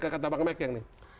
kata bang mekeng nih